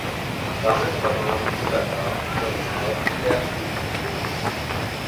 Damit übernahm Peterka wiederum auch die Lehrstuhlvertretung.